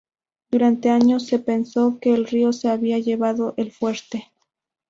Durante años se pensó que el río se había llevado el fuerte.